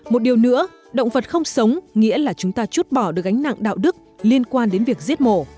một điều nữa động vật không sống nghĩa là chúng ta chút bỏ được gánh nặng đạo đức liên quan đến việc giết mổ